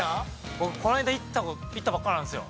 ◆僕、この間行ったばっかりなんですよ。